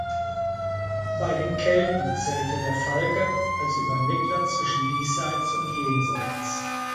Bei den Kelten zählte der Falke als Übermittler zwischen Diesseits und Jenseits.